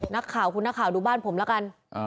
นักข่าวคุณนักข่าวดูบ้านผมแล้วกัน